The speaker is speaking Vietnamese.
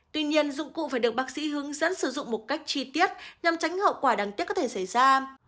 tuy nhiên dụng cụ phải được bác sĩ hướng dẫn sử dụng một cách chi tiết nhằm tránh hậu quả đáng tiếc có thể xảy ra